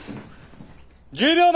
１０秒前！